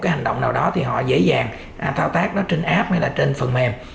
cái hành động nào đó thì họ dễ dàng thao tác nó trên app hay là trên phần mềm